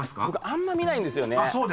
僕あんま見ないんですよね。